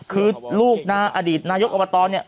คือลูกนะอดีตนายกอบตเนี่ย